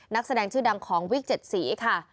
นักแสดงชื่อดังของวิก๗สีค่ะ